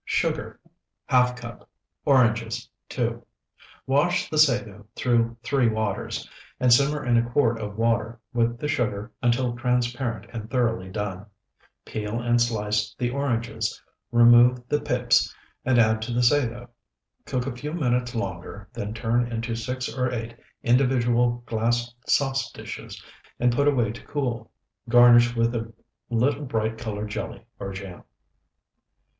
Sugar, ½ cup. Oranges, 2. Wash the sago through three waters, and simmer in a quart of water with the sugar until transparent and thoroughly done. Peel and slice the oranges, remove the pips, and add to the sago. Cook a few minutes longer, then turn into six or eight individual glass sauce dishes, and put away to cool. Garnish with a little bright colored jelly or jam.